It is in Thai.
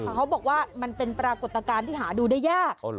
เขาบอกว่ามันเป็นปรากฏการณ์ที่หาดูได้ยาก